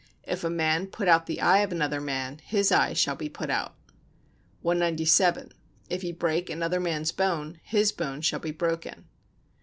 If a man put out the eye of another man, his eye shall be put out. 197. If he break another man's bone, his bone shall be broken.